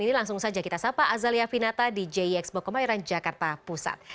tahun ini langsung saja kita sapa azalia finata di jxpo kemayoran jakarta pusat